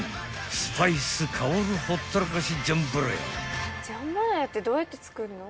スパイス香るほったらかしジャンバラヤ］